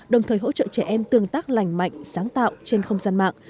đồng thời hỗ trợ trẻ em tương tác lành mạnh sáng tạo trên không gian mạng